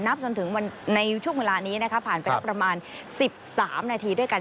จนถึงในช่วงเวลานี้นะคะผ่านไปแล้วประมาณ๑๓นาทีด้วยกัน